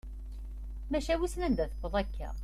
Maca wissen anda tewweḍ akka.